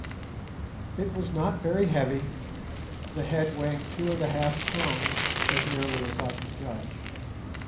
It was not very heavy, the head weighing two and a half pounds, as nearly as I could judge.